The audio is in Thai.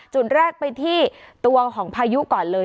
จุดแรกไปที่ตัวของพายุก่อนเลย